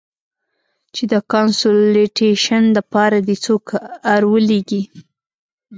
چې د کانسولټېشن د پاره دې څوک ارولېږي.